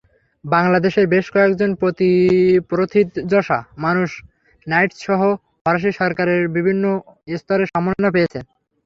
বাংলাদেশের বেশ কয়েকজন প্রথিতযশা মানুষ নাইটসহ ফরাসি সরকারের বিভিন্ন স্তরের সম্মাননা পেয়েছেন।